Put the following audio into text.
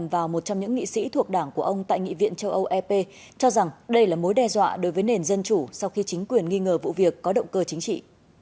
và một trong những nghị sĩ thuộc đảng của ông tại nghị viện châu âu ep cho rằng đây là mối đe dọa đối với nền dân chủ sau khi chính quyền nghi ngờ vụ việc có động cơ chính trị